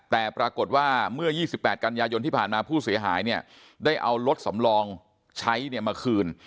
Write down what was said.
แต่ปรากฏว่าเมื่อ๒๘กันยายนที่ผ่านมาผู้เสียหายเนี่ยได้เอารถสำรองใช้มาคืน